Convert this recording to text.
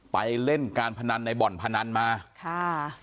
ไปเล่นการพนันในบ่อนพนันมาค่ะ